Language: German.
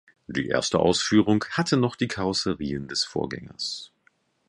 Die erste Ausführung hatte noch die Karosserien des Vorgängers.